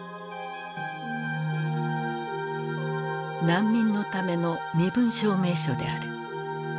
難民のための身分証明書である。